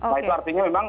nah itu artinya memang